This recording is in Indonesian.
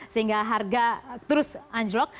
sehingga harga terus anjlok